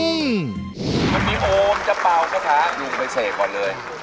มันมีโอมจะเป่ากระถาลุงไปเสกก่อนเลย